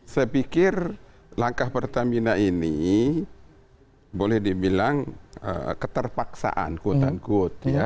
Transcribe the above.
saya pikir langkah pertamina ini boleh dibilang keterpaksaan quote unquote ya